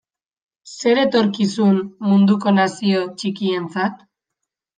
Zer etorkizun munduko nazio txikientzat?